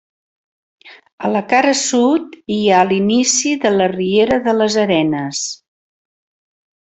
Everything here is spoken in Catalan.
A la cara sud hi ha l'inici de la riera de les Arenes.